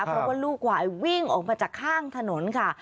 เพราะว่าลูกควายวิ่งออกมาจากข้างถนนค่ะ